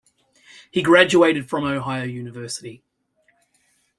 He graduated from Ohio University.